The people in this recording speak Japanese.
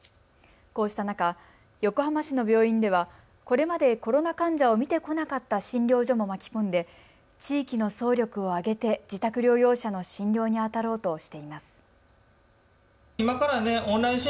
こうした中、横浜市の病院ではこれまでコロナ患者を見てこなかった診療所も巻き込んで地域の総力を挙げて自宅療養者の診療にあたろうとしています。